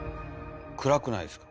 暗くないですか？